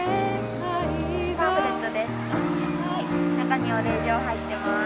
パンフレットです。